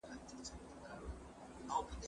زه له سهاره د سبا لپاره د ژبي تمرين کوم!